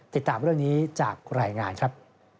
ติดตามเรื่องนี้จากรายงานครับ